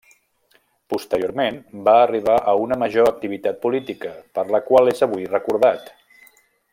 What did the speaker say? Posteriorment va arribar a una major activitat política, per la qual és avui recordat.